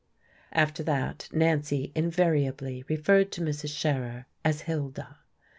After that, Nancy invariably referred to Mrs. Scherer as Hilda.